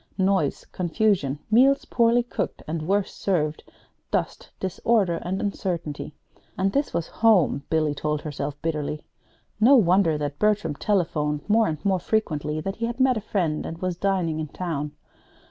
Noise, confusion, meals poorly cooked and worse served, dust, disorder, and uncertainty. And this was home, Billy told herself bitterly. No wonder that Bertram telephoned more and more frequently that he had met a friend, and was dining in town.